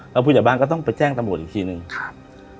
แล้วผู้ใหญ่บ้านก็ต้องไปแจ้งตำรวจอีกทีหนึ่งครับ